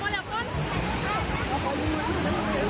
เห็นผมอยู่ตรงนี้ไหม